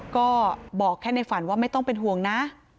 ก็บอกแค่ในฝันว่าไม่ต้องเป็นห่วงนะ